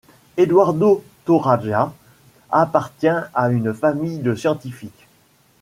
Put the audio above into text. Eduardo Torroja appartient à une famille de scientifiques.